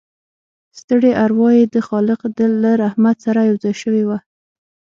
ستړې اروا يې د خالق له رحمت سره یوځای شوې وه